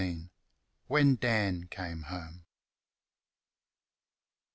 When Dan Came Home.